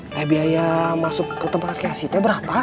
ke biaya masuk ke tempat rekasinnya berapa